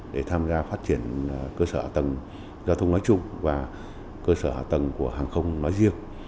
để tham gia phát triển cơ sở tầng giao thông nói chung và cơ sở hạ tầng của hàng không nói riêng